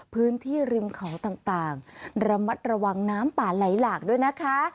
พื้นที่ริมเขาต่างระมัดระวังน้ำป่าไหลหลากด้วยนะคะ